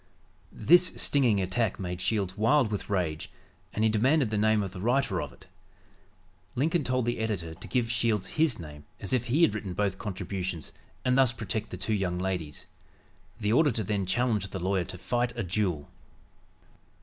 This stinging attack made Shields wild with rage, and he demanded the name of the writer of it. Lincoln told the editor to give Shields his name as if he had written both contributions and thus protect the two young ladies. The auditor then challenged the lawyer to fight a duel.